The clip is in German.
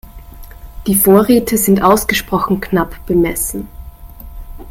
Die Vorräte sind ausgesprochen knapp bemessen.